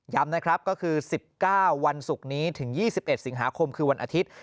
นะครับก็คือ๑๙วันศุกร์นี้ถึง๒๑สิงหาคมคือวันอาทิตย์